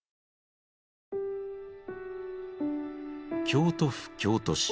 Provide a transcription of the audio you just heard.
京都府京都市。